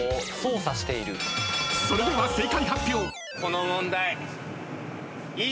［それでは正解発表］え！？